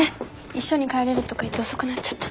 一緒に帰れるとか言って遅くなっちゃった。